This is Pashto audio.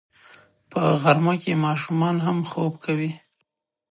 په غرمه کې ماشومان هم خوب کوي